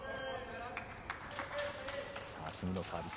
次のサービス。